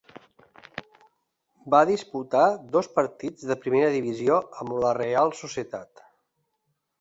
Va disputar dos partits de primera divisió amb la Reial Societat.